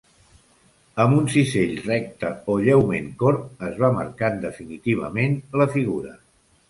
Amb un cisell recte o lleument corb es va marcant definitivament la figura.